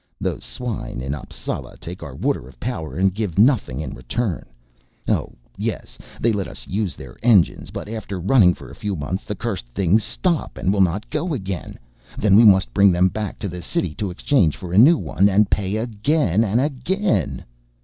"Those swine in Appsala take our water of power and give nothing in return. Oh yes, they let us use their engines, but after running for a few months the cursed things stop and will not go again, then we must bring them back to the city to exchange for a new one, and pay again and again."